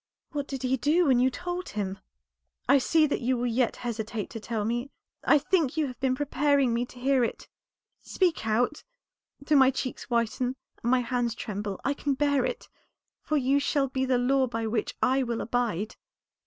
"What did he do when you told him? I see that you will yet hesitate to tell me. I think you have been preparing me to hear it. Speak out. Though my cheeks whiten and my hands tremble I can bear it, for you shall be the law by which I will abide."